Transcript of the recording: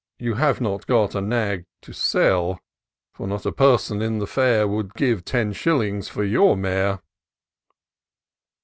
You have not got a nag to sell ; For not a person in the fair Will give ten shillings for your mare."